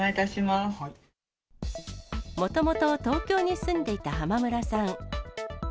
もともと東京に住んでいた浜村さん。